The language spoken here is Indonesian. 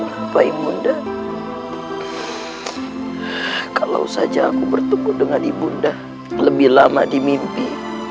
hai hai apa apa ibu ndak kalau saja aku bertemu dengan ibu ndak lebih lama di mimpi